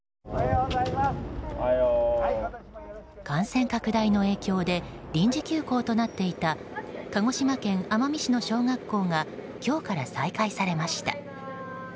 感染拡大の影響で臨時休校となっていた鹿児島県奄美市の小学校が今日から再開されました。